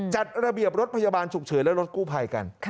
จัดระเบียบรถพยาบาลฉุกเฉินและรถกู้ภัยกัน